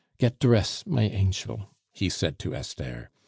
Get dress', my anchel," he said to Esther.